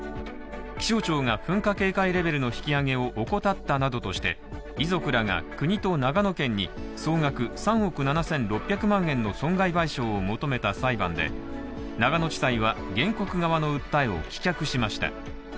気象庁が噴火警戒レベルの引き上げを怠ったなどとして遺族らが国と長野県に総額３億７６００万円の損害賠償を求めた裁判で、長野地裁は、原告側の訴えを棄却しました。